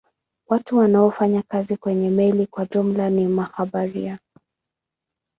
Watu wanaofanya kazi kwenye meli kwa jumla ni mabaharia.